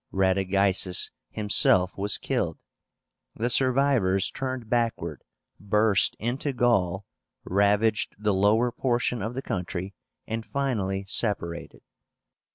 Radagaisus himself was killed. The survivors turned backward, burst into Gaul, ravaged the lower portion of the country, and finally separated.